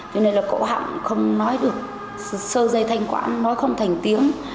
cho nên là cậu không nói được sơ dây thanh quãng nói không thành tiếng